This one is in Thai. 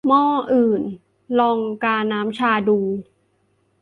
หม้ออื่น ! ลองกาน้ำชาดู